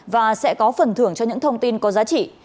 và sẽ có phần thưởng cho những thông tin có giá trị